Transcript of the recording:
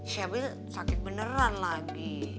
syabil sakit beneran lagi